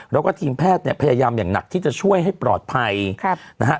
แล้วก็ทีมแพทย์เนี่ยพยายามอย่างหนักที่จะช่วยให้ปลอดภัยนะฮะ